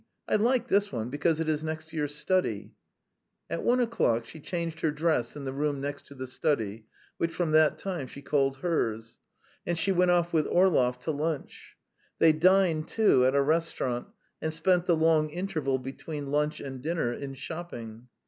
I like this one because it is next to your study." At one o'clock she changed her dress in the room next to the study, which from that time she called hers, and she went off with Orlov to lunch. They dined, too, at a restaurant, and spent the long interval between lunch and dinner in shopping.